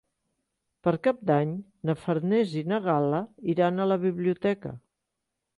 Per Cap d'Any na Farners i na Gal·la iran a la biblioteca.